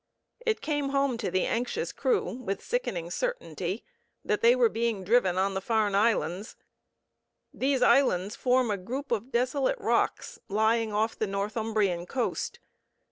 It came home to the anxious crew with sickening certainty that they were being driven on the Farne Islands. These islands form a group of desolate rocks lying off the Northumbrian coast.